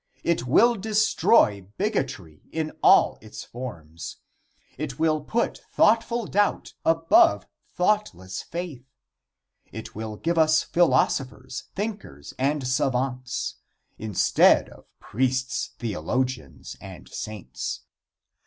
It will destroy bigotry in all its forms. It will put thoughtful doubt above thoughtless faith. It will give us philosophers, thinkers and savants, instead of priests, theologians and saints.